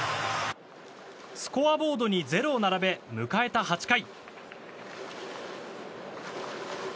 スコアボードに０を並べ迎えた８回。